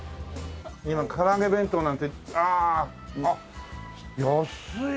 今唐揚げ弁当なんてあああっ安いね。